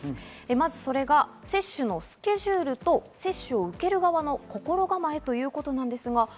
まず接種のスケジュールと接種を受ける側の心構えということです。